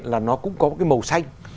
là nó cũng có cái màu xanh